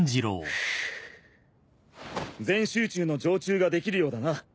全集中の常中ができるようだな！